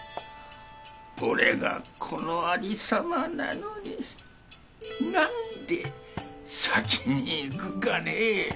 俺がこのありさまなのに何で先に逝くかね。